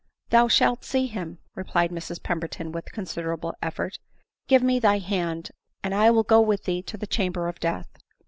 " Thou shalt see him," replied Mrs Pemberton with considerable effort ;" give me thy hand, and I will go with thee to the chamber of death."